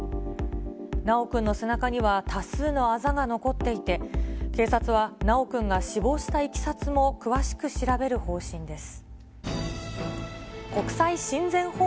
修くんの背中には多数のあざが残っていて、警察は修くんが死亡したいきさつも詳しく調べる方針です。